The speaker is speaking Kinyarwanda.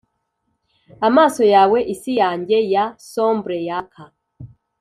amaso yawe isi yanjye ya sombre yaka,